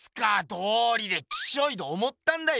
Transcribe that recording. どうりでキショイと思ったんだよ！